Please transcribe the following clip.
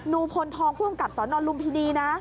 ูพลทองผู้อำกับสนลุมพินีนะ